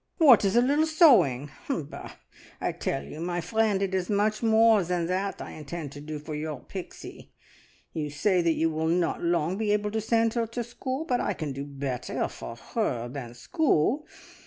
What is a little sewing? Bah! I tell you, my friend, it is much more than that I intend to do for your Pixie. You say that you will not long be able to send her to school, but I can do better for her than school.